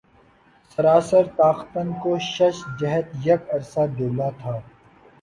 سراسر تاختن کو شش جہت یک عرصہ جولاں تھا